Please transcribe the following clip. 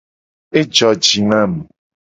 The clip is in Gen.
Ejo ji nam.